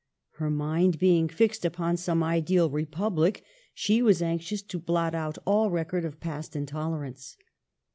Her mind being fixed upon s6me ideal Republic, she was anxious to blot out all record of past intolerance.